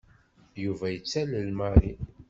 Yuba yettalel Mary.